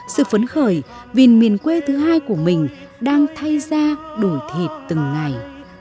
sự phấn khởi vì miền quê thứ hai của mình đang thay ra đổi thịt từng ngày